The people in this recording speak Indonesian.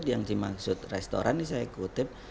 yang dimaksud restoran ini saya kutip